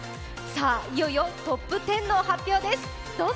いよいよ、トップ１０の発表ですどうぞ！